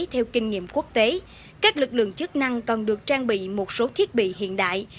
theo kinh nghiệm quốc tế các lực lượng chức năng còn được trang bị một số thiết bị hiện đại